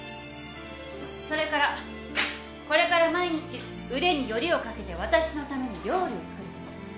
それからこれから毎日腕によりをかけて私のために料理を作ること。